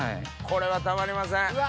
これはたまりません。